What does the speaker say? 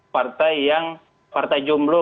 partai yang partai jumlah